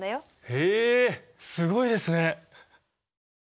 へえすごいですね。